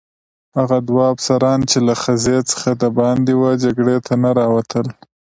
هغه دوه افسران چې له خزې څخه دباندې وه جګړې ته نه راوتل.